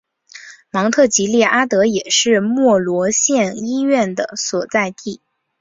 芒特吉利阿德也是莫罗县医院的所在地。